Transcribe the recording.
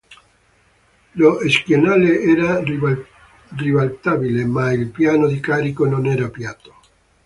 Lo schienale era ribaltabile ma il piano di carico non era piatto.